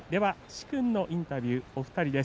殊勲のインタビュー、２人です。